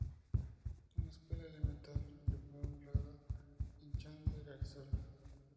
Una Escuela elemental le fue honrada, en Chandler, Arizona.